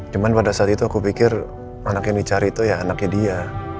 cuma pada saat itu aku pikir anak yang dicari itu ya anaknya dia